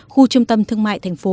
khu trung tâm thương mại thành phố